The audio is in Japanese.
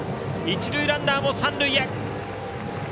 一塁ランナーも三塁へ！